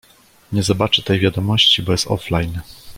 Nie zobaczy tej wiadomości, bo jest offline.